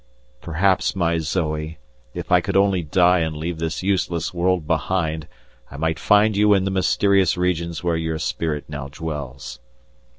Perhaps, my Zoe, if I could only die and leave this useless world behind, I might find you in the mysterious regions where your spirit now dwells.